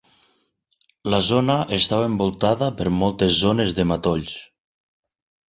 La zona estava envoltada per moltes zones de matolls.